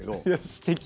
すてき。